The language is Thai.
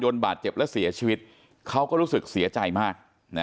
บาดเจ็บและเสียชีวิตเขาก็รู้สึกเสียใจมาก